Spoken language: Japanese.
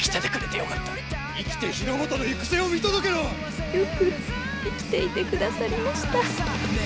よく生きていてくださりました。